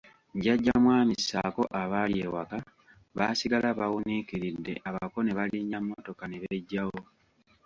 Jjajja mwami ssaako abaali ewaka baasigala bawuniikiridde abako ne balinnya mmotoka ne beggyawo.